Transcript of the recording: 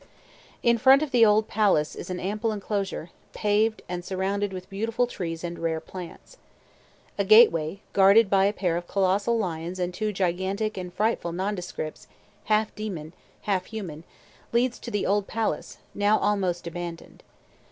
In front of the old palace is an ample enclosure, paved, and surrounded with beautiful trees and rare plants. A gateway, guarded by a pair of colossal lions and two gigantic and frightful nondescripts, half demon, half human, leads to the old palace, now almost abandoned.